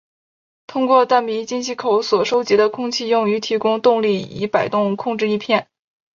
通过弹鼻进气口所收集的空气用于提供动力以摆动控制翼片。